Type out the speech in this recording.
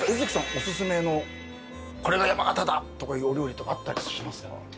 オススメのこれが山形だとかいうお料理とかあったりしますか？